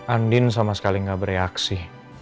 andin sama sekali gak bereaksi